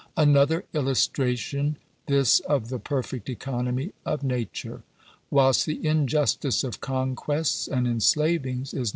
Another illustration this of the perfect economy of Nature. Whilst the injustice of conquests and enslavings is